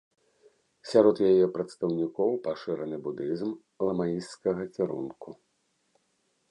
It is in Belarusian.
Сярод яе прадстаўнікоў пашыраны будызм ламаісцкага кірунку.